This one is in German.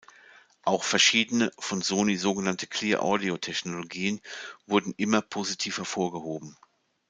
Auch verschiedene, von Sony so genannte „Clear-Audio-Technologien“ wurden immer positiv hervorgehoben.